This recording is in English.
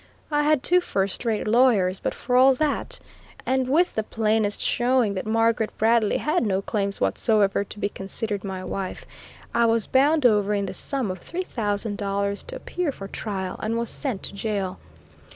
I had two first rate lawyers, but for all that, and with the plainest showing that Margaret Bradley had no claim whatever to be considered my wife, I was bound over in the sum of three thousand dollars to appear for trial, and was sent to jail.